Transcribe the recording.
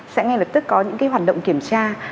sẽ ngay lập tức có những hoạt động kiểm tra